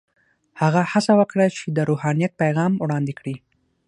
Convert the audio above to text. هغه هڅه وکړه چې د روحانیت پیغام وړاندې کړي.